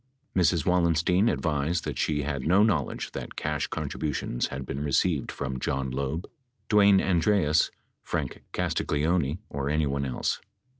Mrs. Wallenstein advised that she had no knowledge that cash con tributions had been received from John Loeb, Dwayne Andreas, Frank Castagleoni, or anyone else.